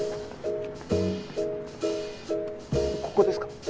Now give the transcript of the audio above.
ここですか？